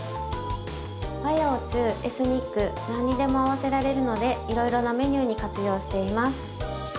和洋中エスニック何にでも合わせられるのでいろいろなメニューに活用しています。